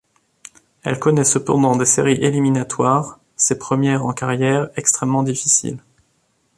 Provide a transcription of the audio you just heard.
Il connaît cependant des séries éliminatoires, ses premières en carrière, extrêmement difficiles.